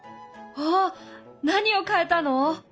あ何を変えたの？